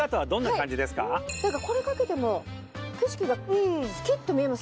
これかけても景色がスキっと見えません？